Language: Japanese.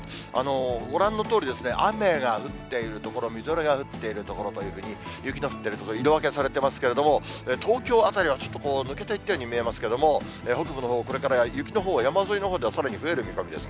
ご覧のとおり、雨が降っている所、みぞれが降っている所というふうに、雪の降っている所、色分けされていますけれども、東京辺りは、ちょっと抜けていったように見えますけれども、北部のほう、これから雪のほう、山沿いのほうでは、さらに増える見込みですね。